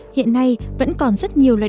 hiện nay vẫn còn rất nhiều loài